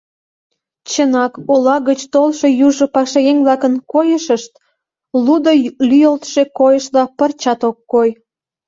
Чынак, ола гыч толшо южо пашаеҥ-влакын койышышт лудо лӱйылтшӧ койышла пырчат ок кой.